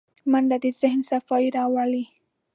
منډه د ذهن صفايي راولي